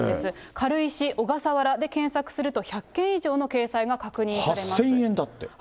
軽石、小笠原で検索すると１００件以上の掲載が確認されます。